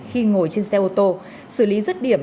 khi ngồi trên xe ô tô xử lý rứt điểm